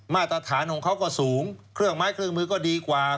มาตรฐานของเขาก็สูงเครื่องไม้เครื่องมือก็ดีกว่า